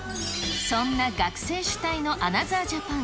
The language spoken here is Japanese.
そんな学生主体のアナザー・ジャパン。